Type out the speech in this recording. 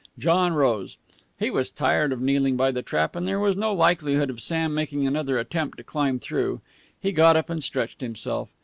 John rose. He was tired of kneeling by the trap, and there was no likelihood of Sam making another attempt to climb through. He got up and stretched himself.